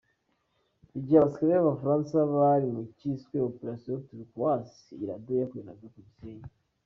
Igihe abasirikare b’Abafaransa bari mu cyiswe “ Opération Turquoise” iyi Radio yakoreraga ku Gisenyi.